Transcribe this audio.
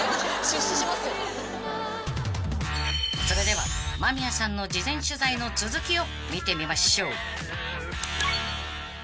［それでは間宮さんの事前取材の続きを見てみましょう］